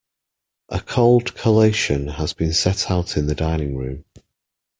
A cold collation has been set out in the dining-room.